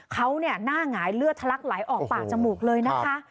เขาหน้าหงายเลือดทะลักไหลออกปากจมูกเลยนะคะ